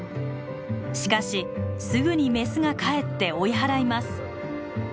しかしすぐにメスが帰って追い払います。